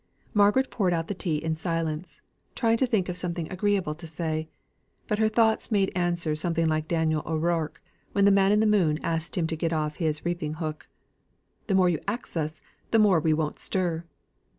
Margaret poured out the tea in silence, trying to think of something agreeable to say; but her thoughts made answer something like Daniel O'Rourke, when the man in the moon asked him to get off his reaping hook. "The more you ax us, the more we won't stir."